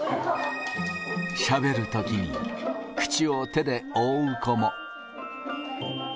しゃべるときに、口を手で覆う子も。